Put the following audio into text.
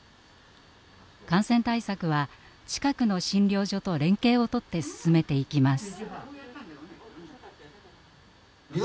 感染対策は近くの診療所と連携をとって進めていきます。